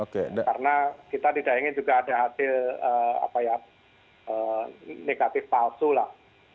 karena kita tidak ingin juga ada hasil negatif palsu lah